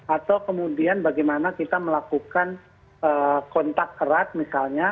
atau kemudian bagaimana kita melakukan kontak erat misalnya